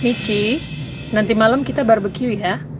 michi nanti malem kita barbeque ya